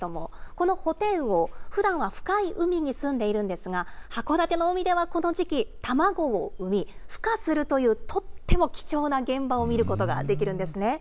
このホテイウオ、ふだんは深い海に住んでいるんですが、函館の海ではこの時期、卵を産み、ふ化するという、とっても貴重な現場を見ることができるんですね。